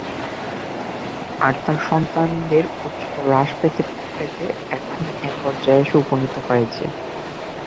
আর তার সন্তানদের উচ্চতা হ্রাস পেতে পেতে এখন এ পর্যায়ে এসে উপনীত হয়েছে।